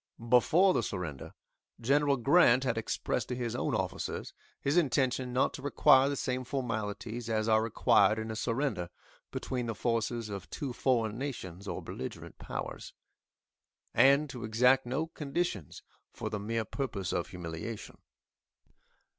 Before the surrender, General Grant had expressed to his own officers his intention not to require the same formalities as are required in a surrender between the forces of two foreign nations or beligerant powers, and to exact no conditions for the mere purpose of humiliation.